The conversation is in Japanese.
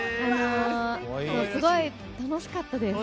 すごい楽しかったです。